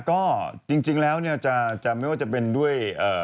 ก็จริงแล้วเนี่ยจะไม่ว่าจะเป็นด้วย